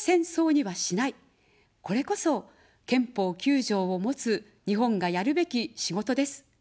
これこそ、憲法９条を持つ日本がやるべき仕事です。